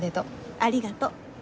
ありがとう。